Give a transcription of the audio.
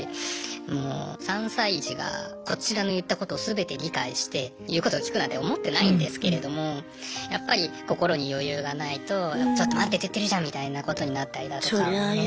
もう３歳児がこちらの言ったこと全て理解して言うことを聞くなんて思ってないんですけれどもやっぱり心に余裕がないとちょっと待ってって言ってるじゃん！みたいなことになったりだとか。